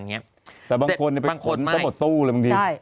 แต่บางคนเนี่ยไปขนต้นตู้เลยบางที